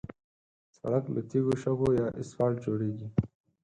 سړک له تیږو، شګو یا اسفالت جوړېږي.